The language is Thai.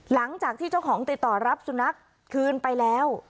หลังจากที่เจ้าของติดต่อรับสุนัขคืนไปแล้ว